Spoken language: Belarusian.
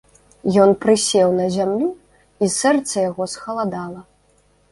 Ён прысеў на зямлю, і сэрца яго схаладала.